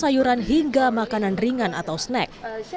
sayuran hingga makanan ringan atau snack